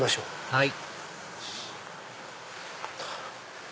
はい。